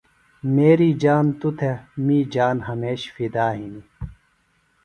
میری جان توۡ تھےۡ می جان ہمیش فدا ہِنیۡ۔